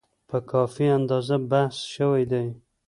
په کافي اندازه بحث شوی دی.